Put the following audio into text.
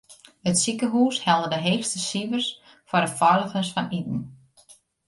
It sikehús helle de heechste sifers foar de feiligens fan iten.